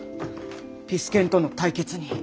ピス健との対決に。